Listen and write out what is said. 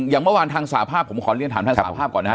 อย่างเมื่อวานทางสาภาพผมขอเรียนถามทางสาภาพก่อนนะฮะ